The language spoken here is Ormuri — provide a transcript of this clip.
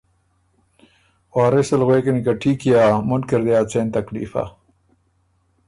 وارث ال غوېکِن که ټهیک يې هۀ، مُنکی ر دې ا څېن تکلیف هۀ